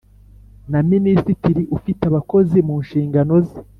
na minisitiri ufite abakozi mu nshingano ze.